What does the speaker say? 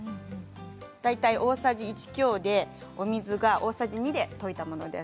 大体、大さじ１強でお水、大さじ２で溶いたものです。